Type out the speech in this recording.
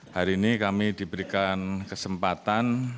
hari ini kami diberikan kesempatan